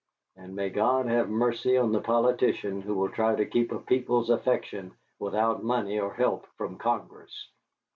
And may God have mercy on the politician who will try to keep a people's affection without money or help from Congress."